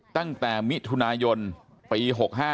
ตั้งแต่มิถุนายนปี๖๕